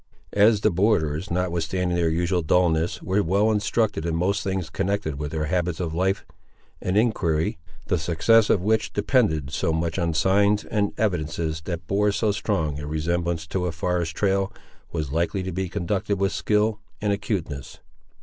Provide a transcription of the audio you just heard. As the borderers, notwithstanding their usual dulness, were well instructed in most things connected with their habits of life, an enquiry, the success of which depended so much on signs and evidences that bore so strong a resemblance to a forest trail, was likely to be conducted with skill and acuteness.